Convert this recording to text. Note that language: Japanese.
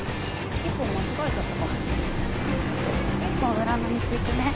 １本裏の道行くね。